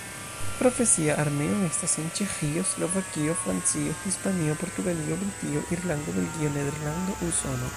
Profesia armeo estas en: Ĉeĥio, Slovakio, Francio, Hispanio, Portugalio, Britio, Irlando, Belgio, Nederlando, Usono.